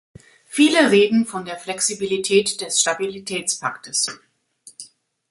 Viele reden von der Flexibilität des Stabilitätspaktes.